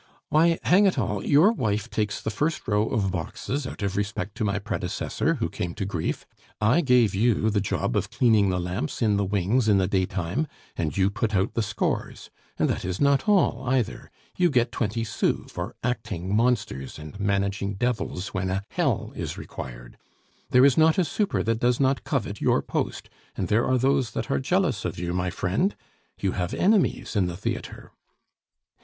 "Why, hang it all, your wife takes the first row of boxes out of respect to my predecessor, who came to grief; I gave you the job of cleaning the lamps in the wings in the daytime, and you put out the scores. And that is not all, either. You get twenty sous for acting monsters and managing devils when a hell is required. There is not a super that does not covet your post, and there are those that are jealous of you, my friend; you have enemies in the theatre."